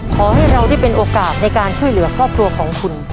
ขอให้เราได้เป็นโอกาสในการช่วยเหลือครอบครัวของคุณ